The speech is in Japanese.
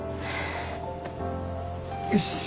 よし！